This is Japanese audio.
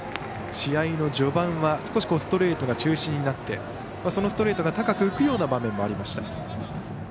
試合の序盤は少しストレートが中心になってそのストレートが高く浮くような場面もありました。